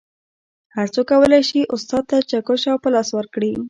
هر څوک کولی شي استاد ته چکش او پلاس ورکړي